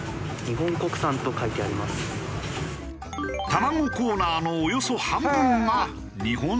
卵コーナーのおよそ半分が日本産。